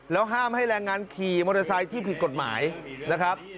แล้วห้ามให้แรงงานขี่มอเตอร์ไซค์ที่ผิดกฎหมายนะครับ